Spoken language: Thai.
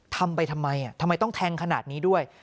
ทำไปทำไมทำไมต้องแทงขนาดนี้ด้วย